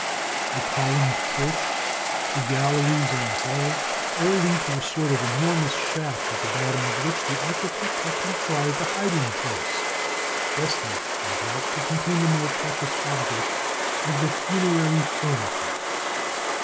The columned porch, the galleries and halls, all lead to a sort of enormous shaft, at the bottom of which the architect had contrived a hiding place, destined, no doubt, to contain the more precious objects of the funerary furniture.